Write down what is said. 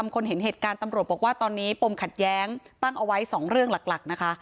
คนเห็นเหตุการณ์ตำรวจบอกว่าตอนนี้ปมขัดแย้งตั้งเอาไว้๒เรื่องหลักนะคะ